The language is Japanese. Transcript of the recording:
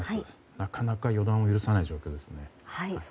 なかなか予断を許さない状況ですね。